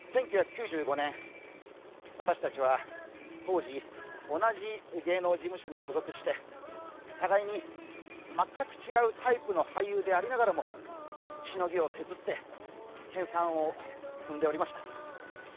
１９９５年、私たちは当時、同じ芸能事務所に所属して互いに全く違うタイプの俳優でありながらもしのぎを削って、研さんを積んでおりました。